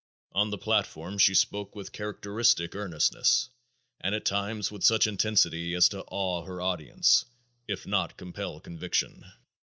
On the platform she spoke with characteristic earnestness and at times with such intensity as to awe her audience, if not compel conviction.